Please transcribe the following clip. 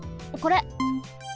これ。